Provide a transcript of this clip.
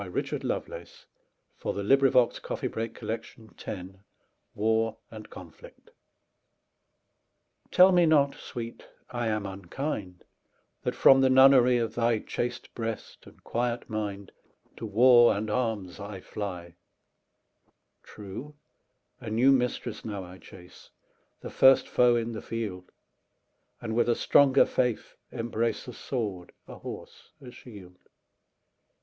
Richard Lovelace. 1618–1658 343. To Lucasta, going to the Wars TELL me not, Sweet, I am unkind, That from the nunnery Of thy chaste breast and quiet mind To war and arms I fly. True, a new mistress now I chase, 5 The first foe in the field; And with a stronger faith embrace A sword, a horse, a shield.